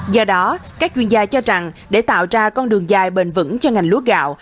do đó các chuyên gia cho rằng để tạo ra con đường dài bền vững cho ngành lúa gạo